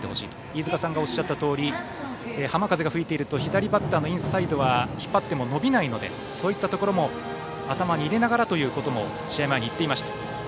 飯塚さんがおっしゃったとおり浜風が吹いていると左バッターのインサイドは引っ張っても伸びないのでそういったところも頭に入れながらということも試合前に言っていました。